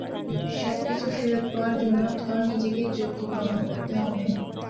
সবকিছু ফেরত পাওয়ার জন্য থর নিজেকে যোগ্য প্রমাণ করতে হবে।